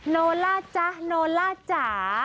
โนล่าจ๊ะโนล่าจ๋า